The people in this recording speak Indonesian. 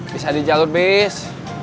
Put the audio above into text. bisa di jalur bis